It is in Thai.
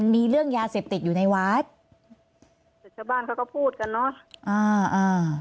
มีเรื่องยาเสพติดอยู่ในวัดแต่ชาวบ้านเขาก็พูดกันเนอะอ่าอ่า